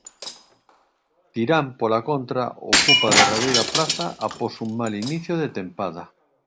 Tirán, pola contra, ocupa a derradeira praza após un mal inicio de tempada.